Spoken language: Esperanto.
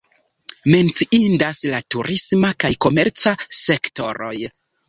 Menciindas la turisma kaj komerca sektoroj.